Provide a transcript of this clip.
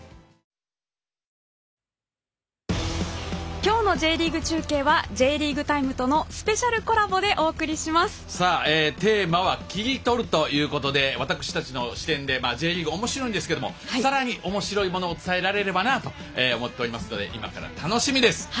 今日のＪリーグ中継は「Ｊリーグタイム」とのテーマは「切り取る」ということで私たちの視点で、Ｊリーグおもしろいんですけれどもさらにおもしろいものを伝えられればなと思っておりますので今から楽しみです。